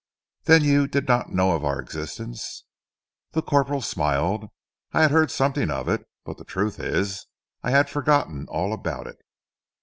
"Then you did not know of our existence?" The corporal smiled. "I had heard something of it; but the truth is I had forgotten all about it."